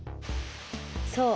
そう！